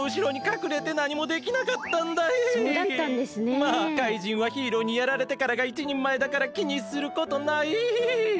まあ怪人はヒーローにやられてからがいちにんまえだからきにすることないヒン。